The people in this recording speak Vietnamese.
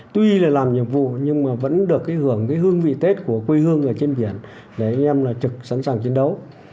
tuy là làm nhiệm vụ nhưng vẫn được hưởng hương vị tết của quê hương trên biển để em trực sẵn sàng chiến đấu